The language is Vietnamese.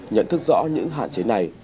nhận thức rõ những hạn chế này